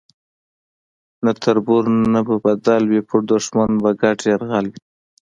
نه تربور نه به بدل وي پر دښمن به ګډ یرغل وي